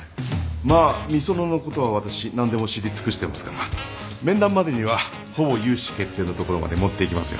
まあみそののことは私何でも知り尽くしてますから面談までにはほぼ融資決定のところまで持っていきますよ。